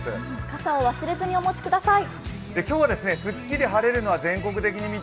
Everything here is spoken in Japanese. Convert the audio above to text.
傘を忘れずにお持ちください。